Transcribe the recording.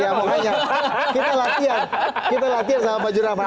iya makanya kita latihan kita latihan sama fadjur rahman